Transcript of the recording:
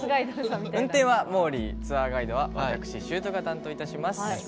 運転はもーりーツアーガイドは私、しゅーとが担当いたします。